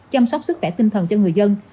chăm sóc sức khỏe tinh thần cho người dân